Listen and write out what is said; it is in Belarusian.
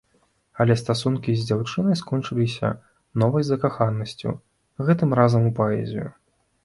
Але стасункі з дзяўчынай скончыліся новай закаханасцю, гэтым разам у паэзію.